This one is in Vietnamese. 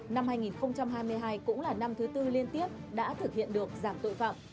năm hai nghìn hai mươi hai cũng là năm thứ tư liên tiếp đã thực hiện được giảm tội phạm